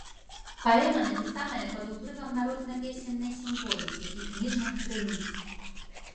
Паэма напісаная пад уплывам народна-песеннай сімволікі і кніжных крыніц.